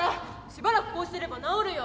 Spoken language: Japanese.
しばらくこうしてれば治るよ。